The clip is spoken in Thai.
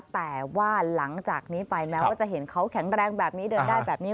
แต่ว่าหลังจากนี้ไปแม้ว่าจะเห็นเขาแข็งแรงแบบนี้เดินได้แบบนี้